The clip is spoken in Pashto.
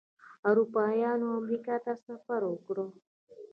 اروپایانو امریکا ته سفر وکړ.